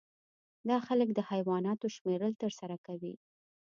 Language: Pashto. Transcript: دا خلک د حیواناتو شمیرل ترسره کوي